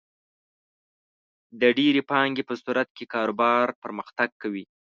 د ډېرې پانګې په صورت کې کاروبار پرمختګ کوي.